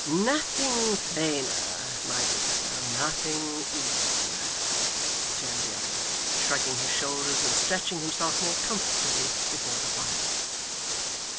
'Nothing plainer, my good fellow, nothing easier,' returned the other, shrugging his shoulders and stretching himself more comfortably before the fire.